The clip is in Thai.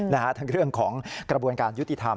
ทั้งเรื่องของกระบวนการยุติธรรม